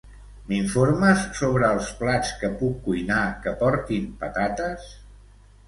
M'informes sobre els plats que puc cuinar que portin patates?